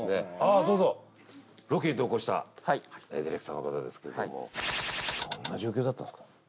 ああどうぞロケに同行したはいディレクターの方ですけれどもはいどんな状況だったんですか？